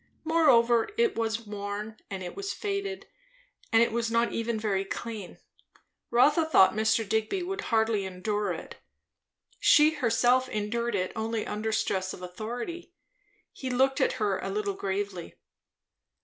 Moreover it was worn, and it was faded, and it was not even very clean. Rotha thought Mr. Digby would hardly endure it; she herself endured it only under stress of authority. He looked at her a little gravely.